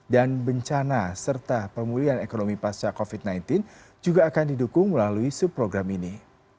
dan bencana serta pemulihan ekonomi pasca covid sembilan belas juga akan didukung melalui subprogram ini